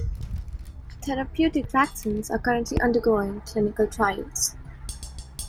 Therapeutic vaccines are currently undergoing clinical trials.